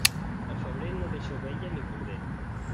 El febrer no deixa ovella ni corder.